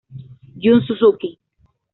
Jun Suzuki